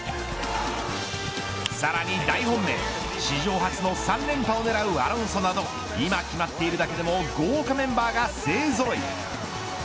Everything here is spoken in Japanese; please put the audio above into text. さらに大本命、史上初の３連覇を狙うアロンソなど今決まっているだけでも豪華メンバーが勢ぞろい。